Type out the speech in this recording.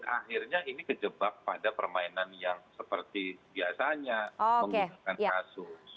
akhirnya ini kejebak pada permainan yang seperti biasanya menggunakan kasus